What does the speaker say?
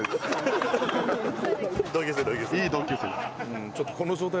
いい同級生です。